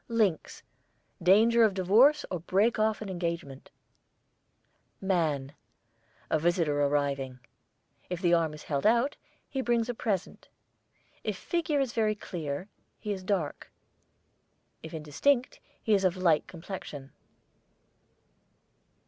LYNX, danger of divorce or break off of an engagement. MAN, a visitor arriving. If the arm is held out, he brings a present. If figure is very clear, he is dark; if indistinct, he is of light complexion.